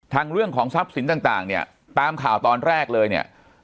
เรื่องของทรัพย์สินต่างเนี่ยตามข่าวตอนแรกเลยเนี่ย